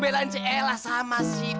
eh eh eh pisang ampun